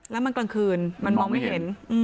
แล้วมันกลางคืนมันมองไม่เห็น